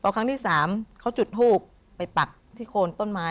ครั้งที่๓เขาจุดทูบไปปักที่โคนต้นไม้